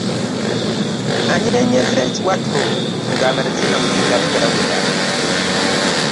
Anyeenyeza ekiwato ng'amazina mwegali gawera